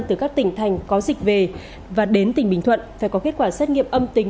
từ các tỉnh thành có dịch về và đến tỉnh bình thuận phải có kết quả xét nghiệm âm tính